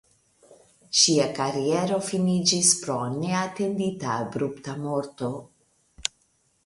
Ŝia kariero finiĝis pro neatendita abrupta morto.